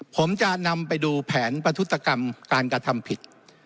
ผมจะนำไปดูแผนประทุตกรรมการกระทำผิด